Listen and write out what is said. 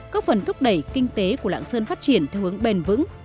có phần thúc đẩy kinh tế của lạng sơn phát triển theo hướng bền vững